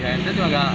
ya itu juga nggak